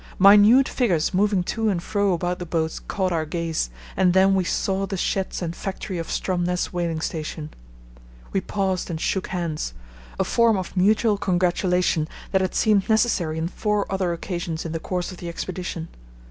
Minute figures moving to and fro about the boats caught our gaze, and then we saw the sheds and factory of Stromness whaling station. We paused and shook hands, a form of mutual congratulation that had seemed necessary on four other occasions in the course of the expedition.